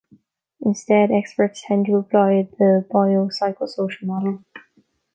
Instead, experts tend to apply the biopsychosocial model.